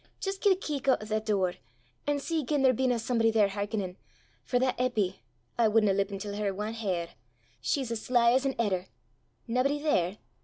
jist gie a keek oot at that door, an' see gien there bena somebody there hearkenin', for that Eppy I wudna lippen til her ae hair! she's as sly as an edder! Naebody there?